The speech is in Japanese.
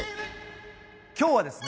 今日はですね